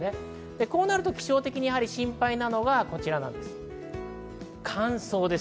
こうなると気象的に心配なのがこちらです。